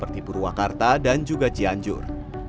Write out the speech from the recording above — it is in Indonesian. seperti purwakarta dan juga cianjur